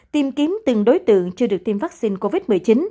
tìm kiếm từng đối tượng chưa được tiêm vaccine covid một mươi chín